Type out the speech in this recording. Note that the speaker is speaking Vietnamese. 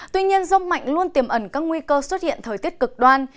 tuy nhiên rông mạnh luôn tiềm ẩn các nguy cơ xuất hiện thời tiết cực đoan